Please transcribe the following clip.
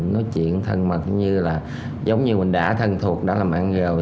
nói chuyện thân mật như là giống như mình đã thân thuộc đã làm mạng rồi